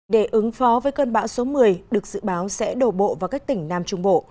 để ứng phó với cơn bão số một mươi được dự báo sẽ đổ bộ vào các tỉnh nam trung bộ